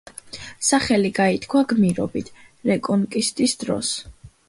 სახელი გაითქვა გმირობით რეკონკისტის დროს.